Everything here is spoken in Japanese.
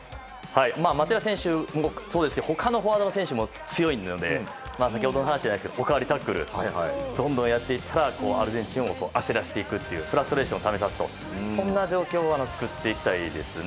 マテーラ選手もそうですが他のフォワードの選手も強いので先ほどの話にもありましたがおかわりタックルをどんどんやっていってアルゼンチンを焦らせていくフラストレーションをためさせるそんな状況を作っていきたいですね。